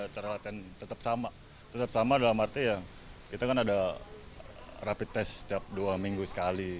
cara latihan tetap sama tetap sama dalam arti ya kita kan ada rapid test setiap dua minggu sekali